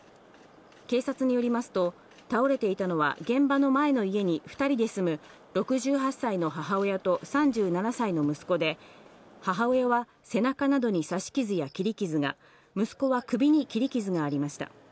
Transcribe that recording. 警察によりますと、倒れていたのは現場の前の家に２人で住む６８歳の母親と３７歳の息子で、母親は背中などに刺し傷や切り傷が、息子は首に切り傷がありました。